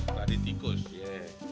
keladi tikus ye